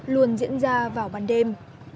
luôn diễn ra vào bàn đêm